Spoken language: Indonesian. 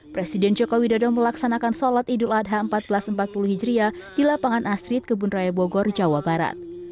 presiden joko widodo melaksanakan sholat idul adha seribu empat ratus empat puluh hijriah di lapangan astrid kebun raya bogor jawa barat